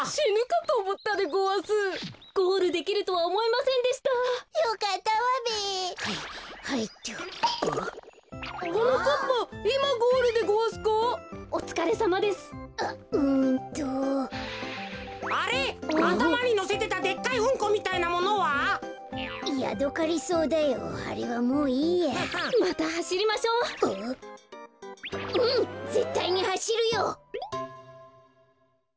ぜったいにはしるよ！